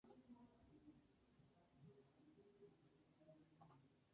Se destaca la gruta de la Virgen de Lourdes traída de Italia.